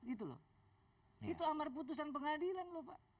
itu amar putusan pengadilan pak